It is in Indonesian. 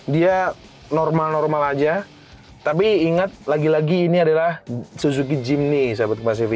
dia normal normal aja tapi ingat lagi lagi ini adalah suzuki jimny sahabat kemasivi